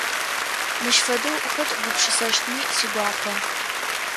Мыщ фэдэу хэт гупшысэщтми сигуапэ.